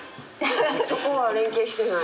そこは連携してない？